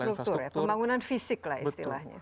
struktur ya pembangunan fisik lah istilahnya